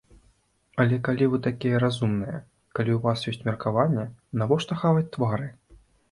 Але калі вы такія разумныя, калі ў вас ёсць меркаванне, навошта хаваць твары?